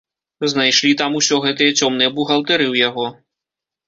Знайшлі там усё гэтыя цёмныя бухгалтэрыі ў яго.